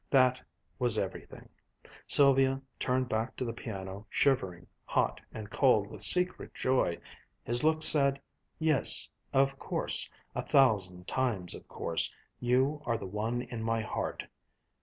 That was everything. Sylvia turned back to the piano shivering, hot and cold with secret joy. His look said, "Yes, of course, a thousand times of course, you are the one in my heart."